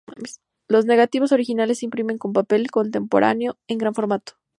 Los negativos originales se imprimen con papel contemporáneo, en gran formato.